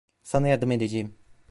Sana yardım edeceğim.